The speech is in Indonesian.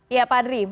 iya pak adri